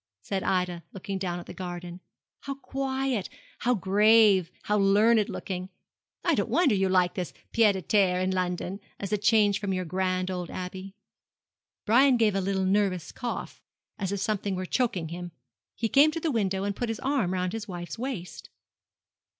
said Ida, looking down at the garden. 'How quiet, how grave, how learned looking! I don't wonder you like this pied à terre in London, as a change from your grand old Abbey.' Brian gave a little nervous cough, as if something were choking him. He came to the window, and put his arm round his wife's waist.